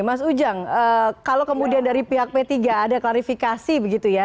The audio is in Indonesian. mas ujang kalau kemudian dari pihak p tiga ada klarifikasi begitu ya